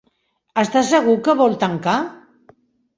Està segur que vol tancar?